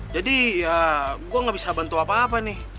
ya gue gak bisa bantu apa apa nih